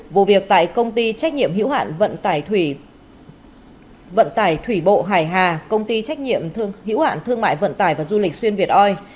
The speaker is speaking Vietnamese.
vụ việc tại công ty trách nhiệm hữu hạn vận tải thủy vận tải thủy bộ hải hà công ty trách nhiệm hữu hạn thương mại vận tải và du lịch xuyên việt oi